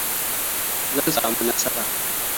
Zan sami nasara.